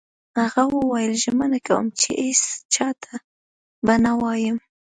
هغه وویل: ژمنه کوم چي هیڅ چا ته به نه وایم.